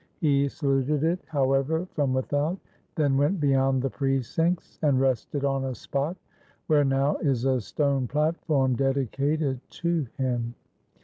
He saluted it however from without, then went beyond the precincts, and rested on a spot where now is a stone platform dedicated to him.